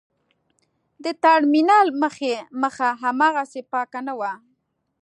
د ټرمینل مخه هاغسې پاکه نه وه.